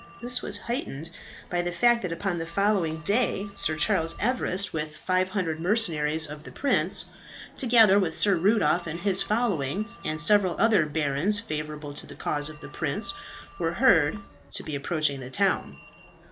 This was heightened by the fact that upon the following day Sir Charles Everest, with 500 mercenaries of the prince, together with Sir Rudolph and his following, and several other barons favourable to the cause of the prince, were heard to be approaching the town.